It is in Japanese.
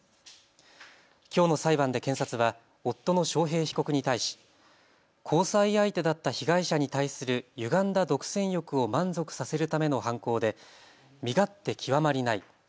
きょうの裁判で検察は夫の章平被告に対し交際相手だった被害者に対するゆがんだ独占欲を満足させるための犯行で身勝手極まりない。